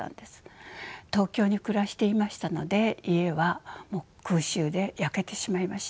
東京に暮らしていましたので家は空襲で焼けてしまいました。